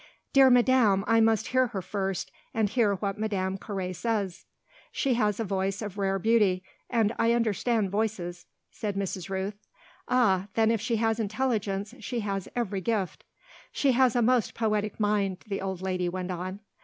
"Dear madam, I must hear her first, and hear what Madame Carré says." "She has a voice of rare beauty, and I understand voices," said Mrs. Rooth. "Ah then if she has intelligence she has every gift." "She has a most poetic mind," the old lady went on.